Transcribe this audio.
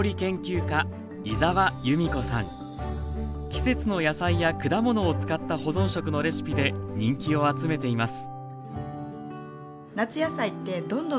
季節の野菜や果物を使った保存食のレシピで人気を集めています